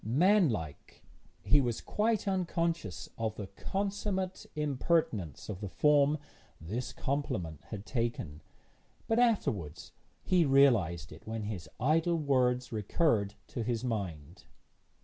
Manlike, he was quite unconscious of the consummate impertinence of the form this compliment had taken; but afterwards he realised it when his idle words recurred to his mind.